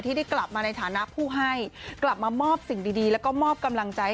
ได้กลับมาในฐานะผู้ให้กลับมามอบสิ่งดีแล้วก็มอบกำลังใจ